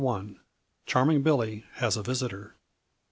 _Charming Billy Has a Visitor.